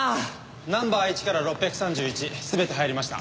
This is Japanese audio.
ナンバー１から６３１全て入りました。